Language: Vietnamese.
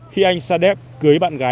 khi anh saadet cưới bạn gái thời xưa